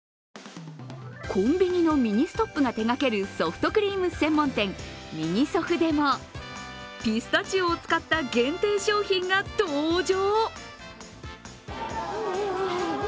コンビニのミニストップが手がけるソフトクリーム専門店、ミニソフでもピスタチオを使った限定商品が登場。